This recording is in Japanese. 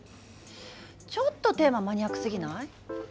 ちょっとテーママニアックすぎない？